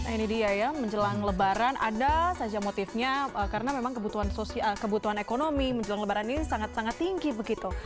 ini dia ya menjelang lebaran ada saja motifnya karena memang kebutuhan ekonomi menjelang lebaran ini sangat sangat tinggi begitu